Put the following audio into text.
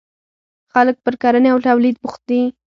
• خلک پر کرنې او تولید بوخت شول.